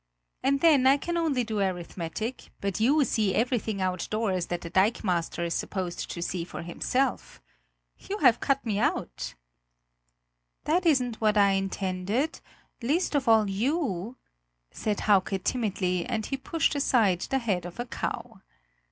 And then, I can only do arithmetic; but you see everything outdoors that the dikemaster is supposed to see for himself. You have cut me out!" "That isn't what I intended least of all you!" said Hauke timidly, and he pushed aside the head of a cow.